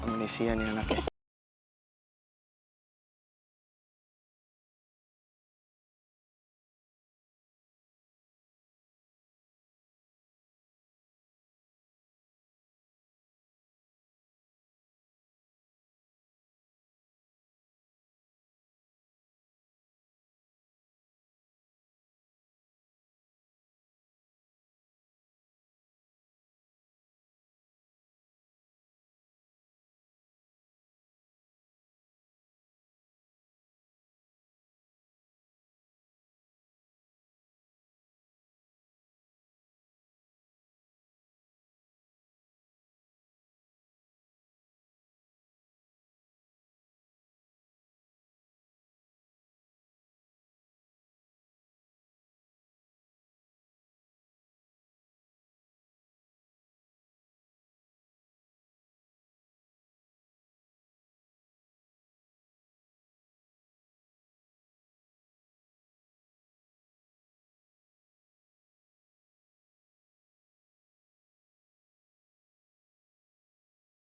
amnesia nih anaknya